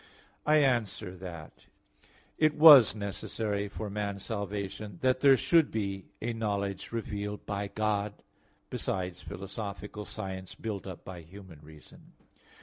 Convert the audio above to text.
I answer that, It was necessary for man's salvation that there should be a knowledge revealed by God besides philosophical science built up by human reason.